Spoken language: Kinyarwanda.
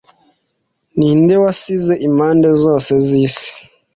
Ni nde wasize impande zose zisi